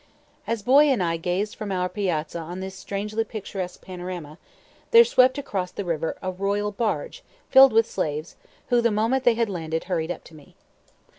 As Boy and I gazed from our piazza on this strangely picturesque panorama, there swept across the river a royal barge filled with slaves, who, the moment they had landed, hurried up to me.